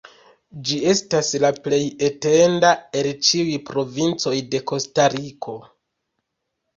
Ĝi estas la plej etenda el ĉiuj provincoj de Kostariko.